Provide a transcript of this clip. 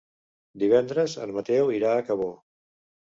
Divendres en Mateu irà a Cabó.